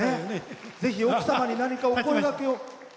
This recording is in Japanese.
ぜひ、奥様に何かお声がけを。